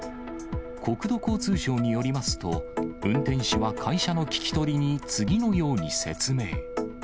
国土交通省によりますと、運転士は会社の聞き取りに次のように説明。